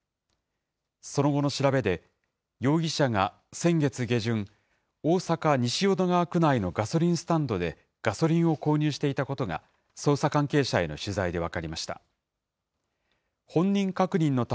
その後の調べで、容疑者が先月下旬、大阪・西淀川区内のガソリンスタンドで、ガソリンを購入していたことが、捜査関係者への取材で分かりました。